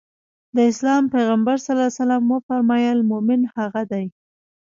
د اسلام پيغمبر ص وفرمايل مومن هغه دی.